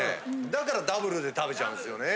だからダブルで食べちゃうんですよね。